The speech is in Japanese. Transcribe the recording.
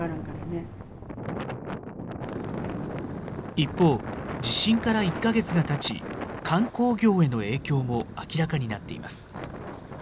一方、地震から１か月がたち、観光業への影響も明らかになっています。